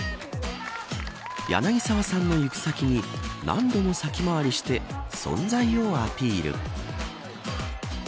柳沢さんの行く先に何度も先回りして存在をアピール。